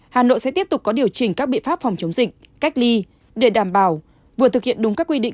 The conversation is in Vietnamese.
hà nội sẽ tiếp tục có điều chỉnh các biện pháp phòng chống dịch cách ly để đảm bảo vừa thực hiện đúng các quy định